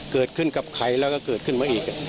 เกิดขึ้นกับใครแล้วก็เกิดขึ้นมาอีก